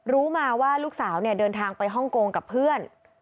รู้มาว่าลูกสาวเนี่ยเดินทางไปฮ่องกงกับเพื่อน